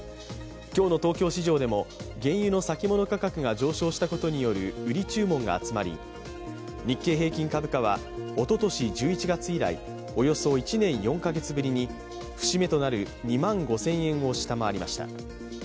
今日の東京市場でも原油の先物価格が上昇したことによる売り注文が集まり、日経平均株価はおととし１１月以来、およそ１年４カ月ぶりに節目となる２万５０００円を下回りました。